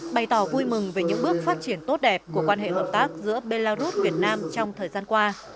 bày tỏ vui mừng về những bước phát triển tốt đẹp của quan hệ hợp tác giữa belarus việt nam trong thời gian qua